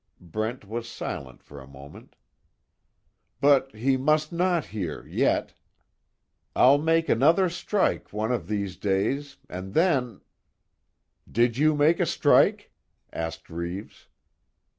Brent was silent for a moment: "But, he must not hear yet. I'll make another strike, one of these days and then " "Did you make a strike?" asked Reeves.